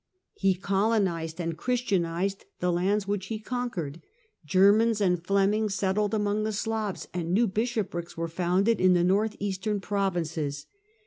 "^ He colonized and Christianized the lands which he conquered. Germans and Flemings settled among the Slavs, and new bishoprics were founded in the north eastern provinces.